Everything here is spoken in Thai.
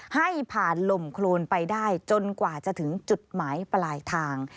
ให้ผ่านลมโครนไปได้จนกว่าจะถึงจุดหมายปลายทาง